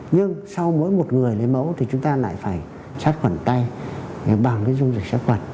nhưng sau mỗi một người lấy máu thì chúng ta lại phải sát khuẩn tay bằng cái dung dịch sát khuẩn